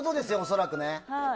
恐らくね。